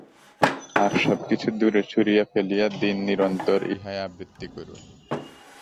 আর সব কিছু দূরে ছুঁড়িয়া ফেলিয়া দিন, নিরন্তর ইহাই আবৃত্তি করুন।